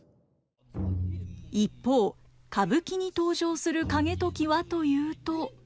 一方歌舞伎に登場する景時はというと。